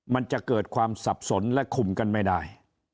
มันจะเกิดความสับสนและคุมกันไม่ได้